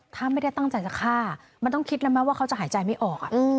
ถ้าไม่ได้ตั้งใจจะฆ่ามันต้องคิดแล้วไหมว่าเขาจะหายใจไม่ออก